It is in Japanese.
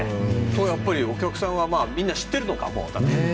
やっぱりお客さんはみんな知ってるのかもう。